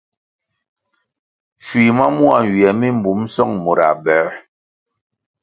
Schui ma mua nywie mi mbum song murãh bĕr.